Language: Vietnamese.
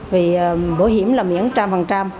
vì bổ hiểm là miễn trăm phần trăm